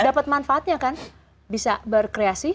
dapat manfaatnya kan bisa berkreasi